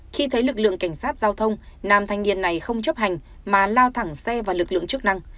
khi thấy lực lượng cảnh sát giao thông nam thanh niên này không chấp hành mà lao thẳng xe vào lực lượng chức năng